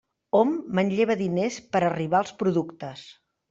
Hom manlleva diners per arribar als productes.